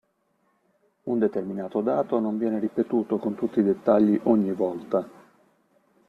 Un determinato dato non viene ripetuto, con tutti i dettagli, ogni volta.